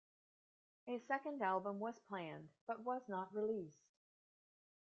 A second album was planned but was not released.